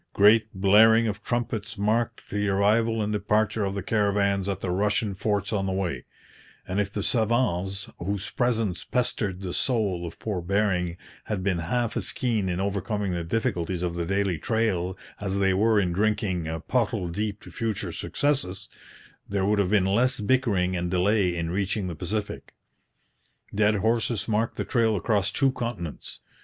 Great blaring of trumpets marked the arrival and departure of the caravans at the Russian forts on the way; and if the savants, whose presence pestered the soul of poor Bering, had been half as keen in overcoming the difficulties of the daily trail as they were in drinking pottle deep to future successes, there would have been less bickering and delay in reaching the Pacific. Dead horses marked the trail across two continents.